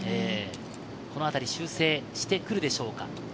このあたり修正してくるでしょうか。